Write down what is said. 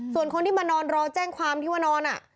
ส่วนคนที่มานอนรอแจ้งความที่ว่านอน